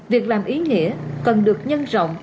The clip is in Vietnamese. việc làm ý nghĩa cần được nhân rộng